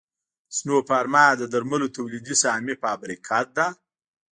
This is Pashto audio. سنوفارما د درملو تولیدي سهامي فابریکه ده